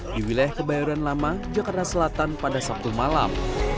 di wilayah kebayoran lama jakarta selatan pada sabtu malam